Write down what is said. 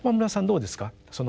どうですか？